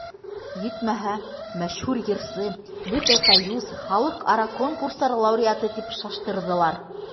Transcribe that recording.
Етмәһә, мәшһүр йырсы, бөтә Союз, халыҡ-ара конкурстар лауреаты тип шаштырҙылар.